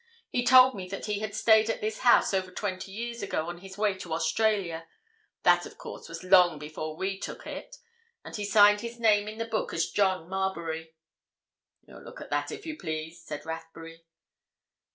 He told me that he had stayed at this house over twenty years ago, on his way to Australia—that, of course, was long before we took it. And he signed his name in the book as John Marbury." "We'll look at that, if you please," said Rathbury.